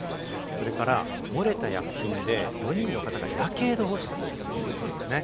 それから漏れた薬品で４人の方がやけどをしたということなんですね。